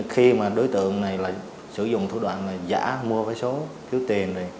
khi mà đối tượng này sử dụng thủ đoạn giả mua vé số thiếu tiền